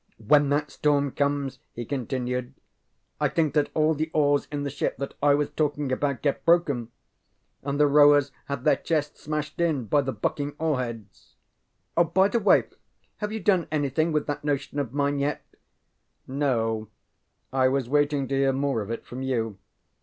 ŌĆ£When that storm comes, ŌĆØ he continued, ŌĆ£I think that all the oars in the ship that I was talking about get broken, and the rowers have their chests smashed in by the bucking oar heads. By the way, have you done anything with that notion of mine yet? ŌĆØ ŌĆ£No. I was waiting to hear more of it from you.